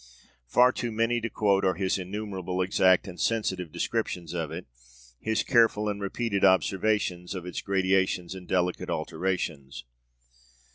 Far too many to quote are his innumerable exact and sensitive descriptions of it, his careful and repeated observations of its gradations and delicate alterations.